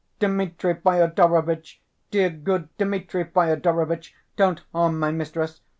"Dmitri Fyodorovitch, dear good Dmitri Fyodorovitch, don't harm my mistress.